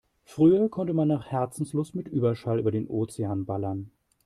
Früher konnte man nach Herzenslust mit Überschall über den Ozean ballern.